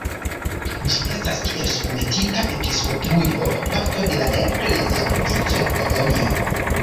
Ĝi estas kiel submetita episkopujo parto de la eklezia provinco Kolonjo.